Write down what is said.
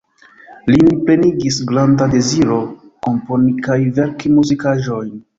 Lin plenigis granda deziro komponi kaj verki muzikaĵojn.